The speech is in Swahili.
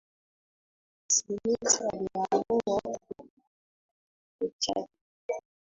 smith aliamua kukutana na kifo chake